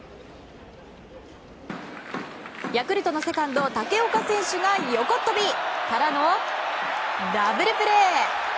ヤクルトのセカンド、武岡選手が横っ飛びからのダブルプレー！